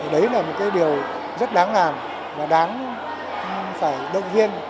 đấy là một cái điều rất đáng làm và đáng phải đồng hiên